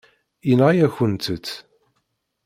Yenɣa-yakent-t.